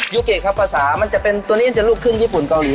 ยูเกตครับภาษามันจะเป็นตัวนี้มันจะลูกครึ่งญี่ปุ่นเกาหลี